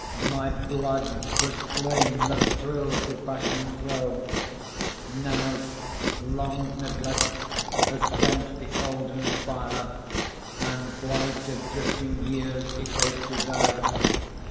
My blood was flame that thrilled to passion's throe; Now long neglect has quenched the olden fire, And blight of drifting years effaced desire.